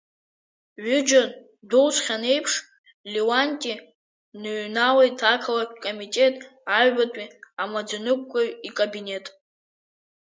Ҩыџьа дәылҵхьан еиԥш, Леиуанти дныҩналеит ақалақьтә комитет аҩбатәи амаӡаныҟәгаҩ икабинет.